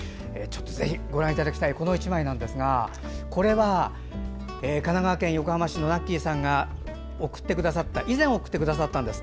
ぜひご覧いただきたいこちらの１枚なんですがこれは、神奈川県横浜市のＮａｋｋｙさんが以前、送ってくださったんです。